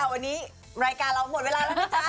วันนี้รายการเราหมดเวลาแล้วนะจ๊ะ